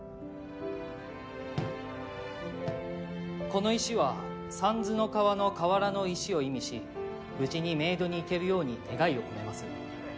この石は三途の川の河原の石を意味し無事に冥土に行けるように願いを込めます。